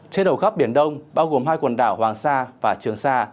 trên đầu khắp biển đông bao gồm hai quần đảo hoàng sa và trường sa